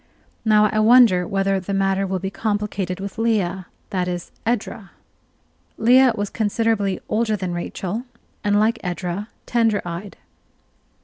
Now I wonder whether the matter will be complicated with Leah that is, Edra? Leah was considerably older than Rachel, and, like Edra, tender eyed.